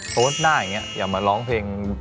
โพสต์หน้าอย่างนี้อย่ามาร้องเพลง